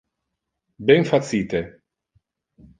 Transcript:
Ben facite!